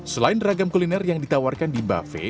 selain ragam kuliner yang ditawarkan di buffet